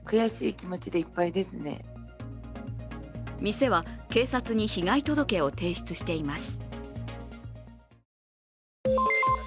店は警察に被害届を提出しています。